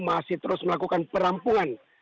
masih terus melakukan perampungan